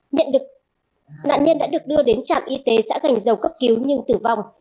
nhận được nạn nhân đã được đưa đến trạm y tế xã gành dầu cấp cứu nhưng tử vong